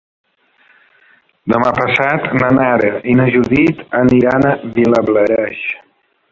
Demà passat na Nara i na Judit aniran a Vilablareix.